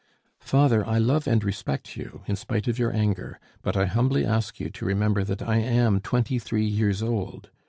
"Father, I love and respect you, in spite of your anger; but I humbly ask you to remember that I am twenty three years old.